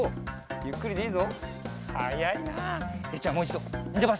ゆっくりでいいぞ。